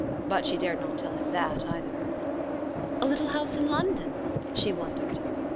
But she dared not tell him that either. "A little house in London ?" She wondered.